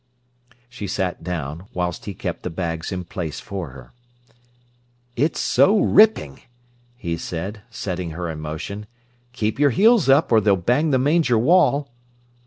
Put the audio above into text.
She sat down, whilst he kept the bags in place for her. "It's so ripping!" he said, setting her in motion. "Keep your heels up, or they'll bang the manger wall."